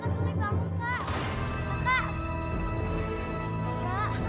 kakak suli bangun kak